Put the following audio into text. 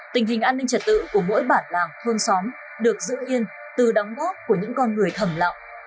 tình hình an ninh trật tự của mỗi bản làng thôn xóm được giữ yên từ đóng góp của những con người thầm lặng